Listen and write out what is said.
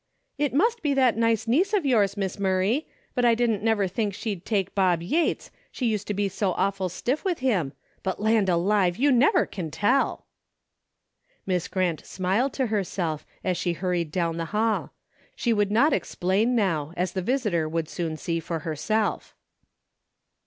" It must be that nice niece of yours. Miss Murray, but I didn't never think she'd take Bob Yates, she used to be so awful stiff with him, but land alive, you never can tell !" Miss Grant smiled to herself as she hurried down the hall. She would not explain now, as the visitor would soon see for herself.